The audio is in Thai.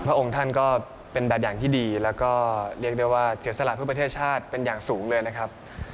พระองค์ท่านก็เป็นแบบอย่างที่ดีแล้วก็เรียกได้ว่าเสียสละเพื่อประเทศชาติเป็นอย่างสูงเลยนะครับ